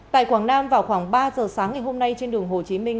tại quảng nam vào khoảng ba giờ sáng ngày hôm nay trên đường hồ chí minh